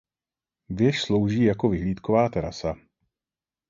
Věž slouží jako vyhlídková terasa.